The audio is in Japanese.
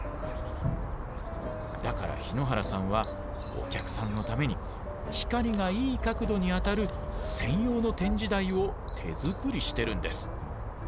だから日野原さんはお客さんのために光がいい角度に当たる専用の展示台を手作りしてるんです。